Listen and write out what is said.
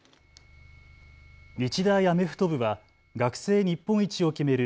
日大アメフト部は学生日本一を決める